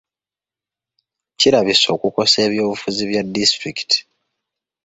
Kirabisse okukosa eby'obufuzi bya disitulikiti.